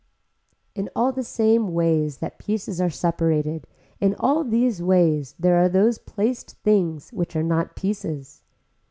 In all the same ways that pieces are separated in all these ways there are those placed things which are not pieces.